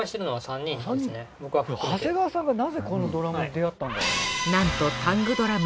長谷川さんがなぜこのドラムに出会ったのだろう。